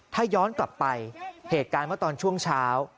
ถ้าย้อนกลับไปเหตุการณ์เมื่อตอนช่วงเช้า